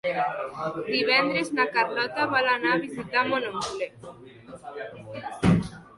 Divendres na Carlota vol anar a visitar mon oncle.